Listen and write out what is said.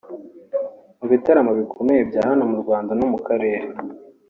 Mu bitaramo bikomeye bya hano mu Rwanda no mu karere